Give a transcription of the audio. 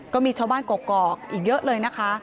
ก็มีชาวบ้านกกอกอีกเยอะเลยนะคะ